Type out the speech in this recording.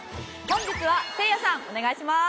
本日はせいやさんお願いします。